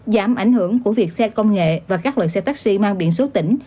giảm ảnh hưởng của việc xe công nghệ và các loại xe taxi mang biển số tỉnh